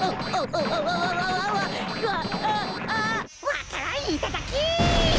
わか蘭いただき！